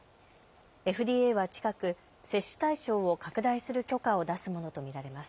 ＦＤＡは近く、接種対象を拡大する許可を出すものと見られます。